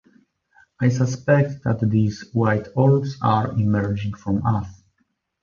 I suspect that these white orbs are emerging from us.